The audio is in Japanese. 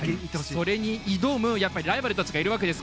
それに挑むライバルたちがいます。